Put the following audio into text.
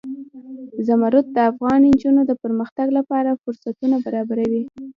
زمرد د افغان نجونو د پرمختګ لپاره فرصتونه برابروي.